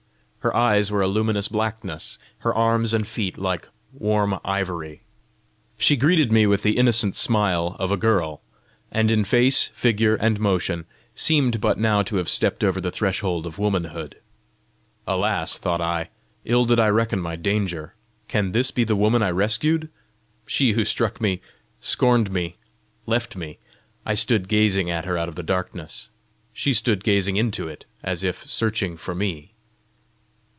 Her eyes were a luminous blackness; her arms and feet like warm ivory. She greeted me with the innocent smile of a girl and in face, figure, and motion seemed but now to have stepped over the threshold of womanhood. "Alas," thought I, "ill did I reckon my danger! Can this be the woman I rescued she who struck me, scorned me, left me?" I stood gazing at her out of the darkness; she stood gazing into it, as if searching for me.